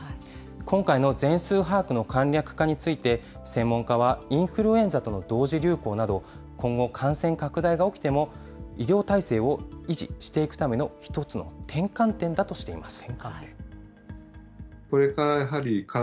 今回の全数把握の簡略化について、専門家はインフルエンザとの同時流行など、今後、感染拡大が起きても医療体制を維持していくための一つの転換点だとしています。